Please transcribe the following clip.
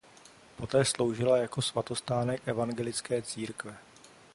Poté sloužila jako svatostánek evangelické církve.